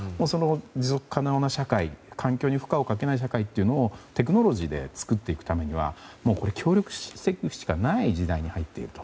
持続可能な社会環境に負荷をかけない社会というのをテクノロジーで作っていくためには協力していくしかない時代に入っていると。